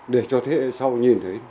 để cho thế hệ sau nhìn thấy